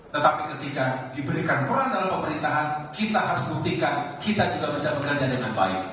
tetapi ketika diberikan peran dalam pemerintahan kita harus buktikan kita juga bisa bekerja dengan baik